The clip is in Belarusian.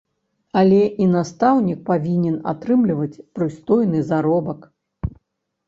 Але і настаўнік павінен атрымліваць прыстойны заробак.